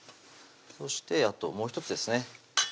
そしてあともう１つですね